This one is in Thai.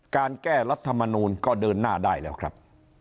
การแก้รัฐมนูลก็เดินหน้าได้แล้วครับ